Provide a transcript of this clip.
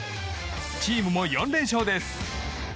チームも４連勝です！